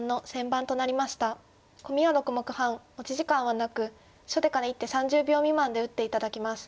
コミは６目半持ち時間はなく初手から１手３０秒未満で打って頂きます。